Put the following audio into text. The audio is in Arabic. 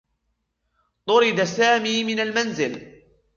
طُرد سامي من المنزل.